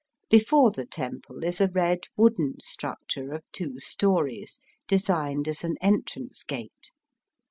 Before the temple is a red wooden structure of two stories, designed as an entrance gate.